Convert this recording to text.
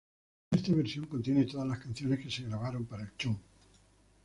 Esta versión contiene todas las canciones que se grabaron para el show.